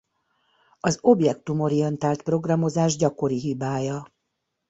Az objektumorientált programozás gyakori hibája.